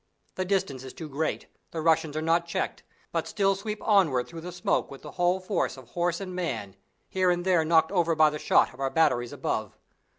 The distance is too great: the Russians are not checked, but still sweep onward through the smoke with the whole force of horse and man, here and there knocked over by the shot of our batteries above.